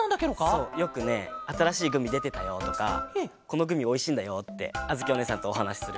そうよくね「あたらしいグミでてたよ」とか「このグミおいしいんだよ」ってあづきおねえさんとおはなしする。